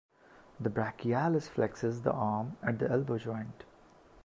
The brachialis flexes the arm at the elbow joint.